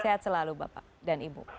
sehat selalu bapak dan ibu